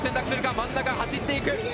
真ん中、走っていく。